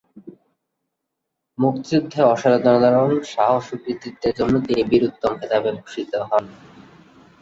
মুক্তিযুদ্ধে অসাধারণ সাহস ও কৃতিত্বের জন্য তিনি বীর উত্তম খেতাবে ভূষিত হন।